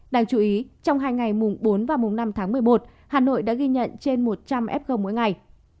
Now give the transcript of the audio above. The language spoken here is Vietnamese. đáng chú ý trong hai ngày mùng bốn và mùng năm tháng một mươi một hà nội đã ghi nhận trên một trăm linh f g mỗi ngày